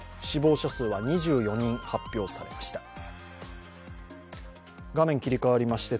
死亡者数は２４人、発表されました。